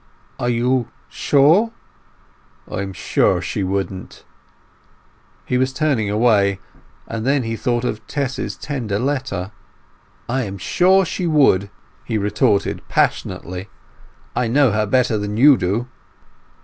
"Are you sure?" "I am sure she wouldn't." He was turning away; and then he thought of Tess's tender letter. "I am sure she would!" he retorted passionately. "I know her better than you do."